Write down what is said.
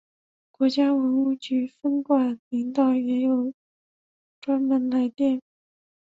国家文物局分管领导也专门发来唁电。